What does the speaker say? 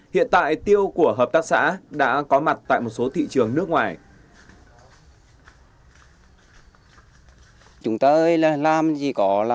hiện tại tiêu của hợp tác xã đã có mặt tại một số thị trường nước ngoài